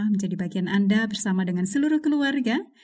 menjadi bagian anda bersama dengan seluruh keluarga